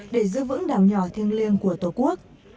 để giữ vững đảo nhỏ thiêng liêng của tổ quốc